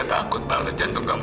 sh experimentan kamu